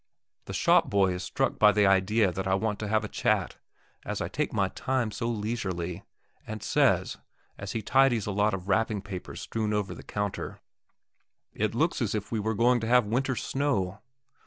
The shop boy is struck by the idea that I want to have a chat as I take my time so leisurely, and says, as he tidies a lot of wrapping papers strewn over the counter: "It looks as if we were going to have winter snow!"